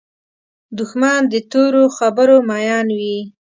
دښمن د تورو خبرو مین وي